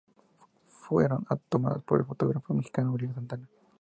Fueron tomadas por el fotógrafo mexicano Uriel Santana.